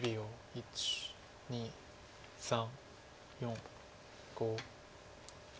１２３４５。